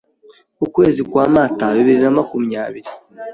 ukwezi kwa Mata bibiri na makumyabiri